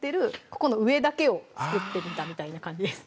ここの上だけを作ってみたみたいな感じです